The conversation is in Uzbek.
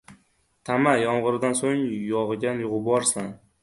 Tama, yomg‘irdan so‘ng yog‘gan g‘uborsan.